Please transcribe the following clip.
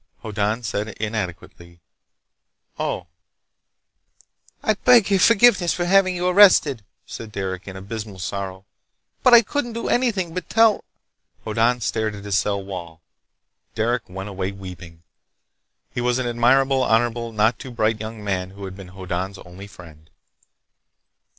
Hoddan said inadequately: "Oh." "I beg your forgiveness for having you arrested," said Derec in abysmal sorrow, "but I couldn't do anything but tell—" Hoddan stared at his cell wall. Derec went away weeping. He was an admirable, honorable, not too bright young man who had been Hoddan's only friend.